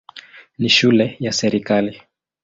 Ni shule ya serikali.